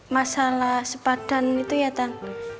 masalah sepadan itu ya kan